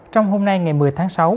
trong hôm nay ngày một mươi tháng sáu